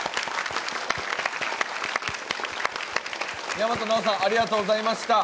大和奈央さん、ありがとうございました。